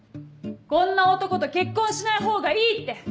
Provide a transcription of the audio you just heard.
こんな男と結婚しないほうがいいって！